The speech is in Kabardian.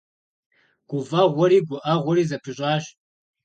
ГуфӀэгъуэри гуӀэгъуэри зэпыщӀащ.